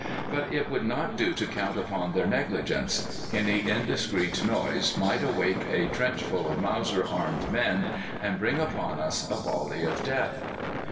But it would not do to count upon their negligence; any indiscreet noise might awake a trenchful of Mauser armed men, and bring upon us a volley of death.